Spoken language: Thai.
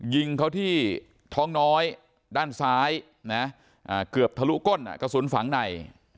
ยิงเขาที่ท้องน้อยด้านซ้ายนะเกือบทะลุก้นกระสุนฝังใน